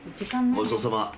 ごちそうさま。